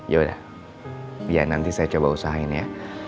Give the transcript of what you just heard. ya nanti saya coba usahain ya